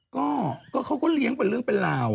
ก็เขาก็เลี้ยงเป็นเรื่องเป็นราว